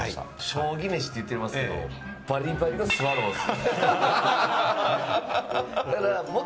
将棋メシって言ってますけれども、バリバリのスワローズ。